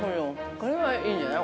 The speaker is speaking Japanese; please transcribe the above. これはいいんじゃない？